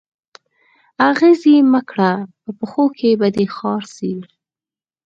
آغزي مه کره په پښو کي به دي خار سي